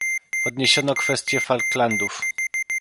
Podniesiono kwestię Falklandów